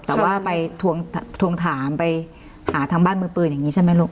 แต่ว่าไปทวงถามไปหาทางบ้านมือปืนอย่างนี้ใช่ไหมลูก